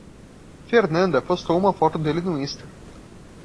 Fernanda postou uma foto dele no Insta